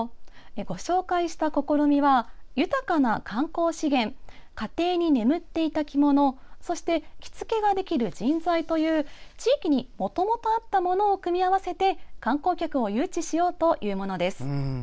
ご紹介した試みは豊かな観光資源家庭に眠っていた着物そして着付けができる人材という地域にもともとあったものを組み合わせて観光客を誘致しようというものです。